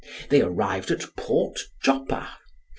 They arrived at Port Joppa.